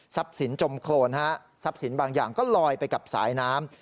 สินจมโครนทรัพย์สินบางอย่างก็ลอยไปกับสายน้ำ